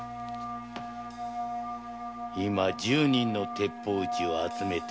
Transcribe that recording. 今十人の鉄砲撃ちを集めております。